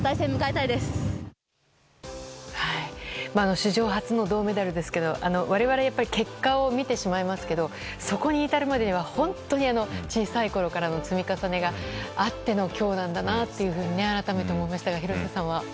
史上初の銅メダルですけど我々、結果を見てしまいますけどそこに至るまでには、本当に小さいころからの積み重ねがあっての今日なんだなって改めて思いましたが廣瀬さんは？